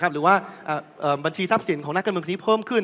หรือว่าบัญชีทรัพย์สินของหน้ากรรมคุณีเพิ่มขึ้น